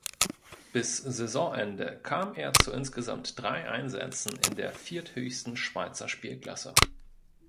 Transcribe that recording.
Bis Saisonende kam er zu insgesamt drei Einsätzen in der vierthöchsten Schweizer Spielklasse.